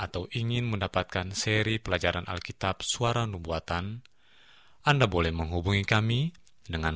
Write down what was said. silakan beri jawab di kolom komentar